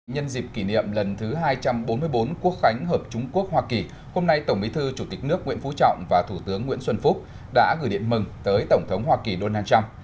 nhân dịp kỷ niệm lần thứ hai trăm bốn mươi bốn quốc khánh hợp trung quốc hoa kỳ hôm nay tổng bí thư chủ tịch nước nguyễn phú trọng và thủ tướng nguyễn xuân phúc đã gửi điện mừng tới tổng thống hoa kỳ donald trump